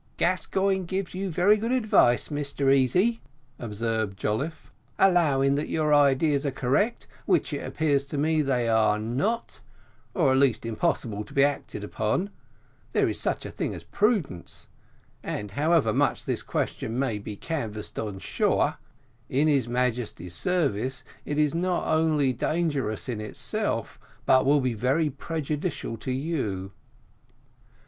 "Gascoigne gives you very good advice, Mr Easy," observed Jolliffe; "allowing that your ideas are correct, which it appears to me they are not, or at least impossible to be acted upon, there is such a thing as prudence, and however much this question may be canvassed on shore, in his Majesty's service it is not only dangerous in itself, but will be very prejudicial to you."